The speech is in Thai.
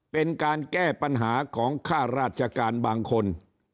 เป็นการแก้ปัญหาของค่าราชการบางคน